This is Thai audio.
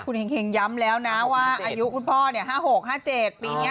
คุณเฮงย้ำแล้วนะว่าอายุคุณพ่อเนี่ย๕๖๕๗